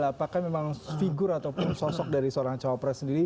apakah memang figur ataupun sosok dari seorang cowok pres sendiri